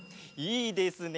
いいですね。